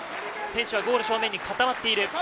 選手はゴール正面に固まっている。